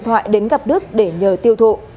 đã mang điện thoại đến gặp đức để nhờ tiêu thụ